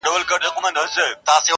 د ورور و غاړي ته چاړه دي کړمه,